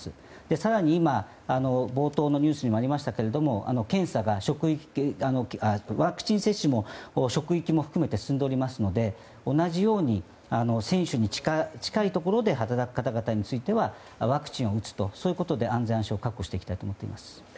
更に今、冒頭のニュースにもありましたけれどもワクチン接種も職域も含めて進んでおりますので同じように選手に近いところで働く方々についてはワクチンを打つということで安全・安心を確保していきたいと思っています。